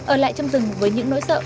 ở lại trong rừng với những nỗi sợ